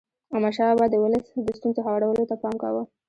احمدشاه بابا د ولس د ستونزو هوارولو ته پام کاوه.